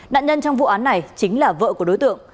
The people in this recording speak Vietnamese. nạn nhân trong vụ án này chính là vợ của đối tượng